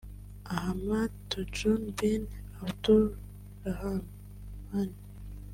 Ahmad Tojun bin Abdoul Rahman